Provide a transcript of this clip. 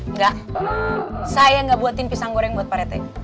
nggak saya nggak buatin pisang goreng buat pak rete